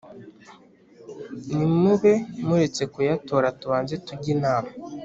nimube muretse kuyatora tubanze tujye inama.